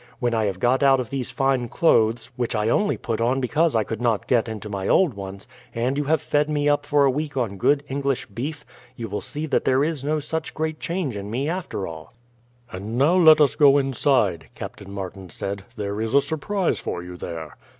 When I have got out of these fine clothes, which I only put on because I could not get into my old ones, and you have fed me up for a week on good English beef, you will see that there is no such great change in me after all." "And now let us go inside," Captain Martin said; "there is a surprise for you there."